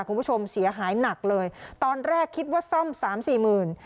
คุณผู้ชมเสียหายหนักเลยตอนแรกคิดว่าซ่อมสามสี่หมื่น